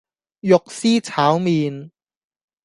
肉絲炒麪